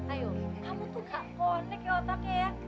ayo kamu tuh gak konek ya otaknya ya